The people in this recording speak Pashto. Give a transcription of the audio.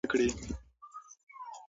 پیسې باید موږ مغرور نکړي.